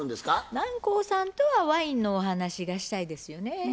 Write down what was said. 南光さんとはワインのお話がしたいですよね。